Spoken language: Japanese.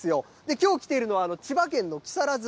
きょう来ているのは、千葉県の木更津。